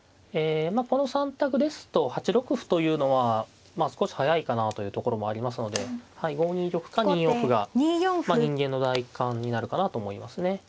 この３択ですと８六歩というのは少し早いかなというところもありますので５二玉か２四歩が人間の第一感になるかなと思いますね。